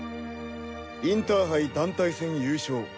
インターハイ団体戦優勝。